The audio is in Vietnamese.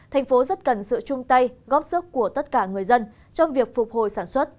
thành phố rất cần sự chung tay góp sức của tất cả người dân trong việc phục hồi sản xuất